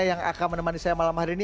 yang akan menemani saya malam hari ini